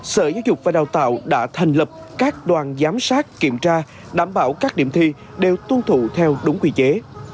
sở giáo dục và đào tạo đã thành lập các đoàn giám sát kiểm tra đảm bảo các điểm thi đều tuân thủ theo đúng quy chế